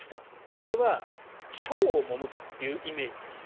これは腸をもむというイメージです。